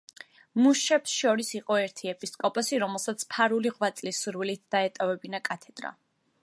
მუშებს შორის იყო ერთი ეპისკოპოსი, რომელსაც ფარული ღვაწლის სურვილით დაეტოვებინა კათედრა.